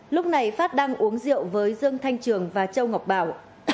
lúc này phát đang uống rượu với dương thanh trường và châu ngọc bảo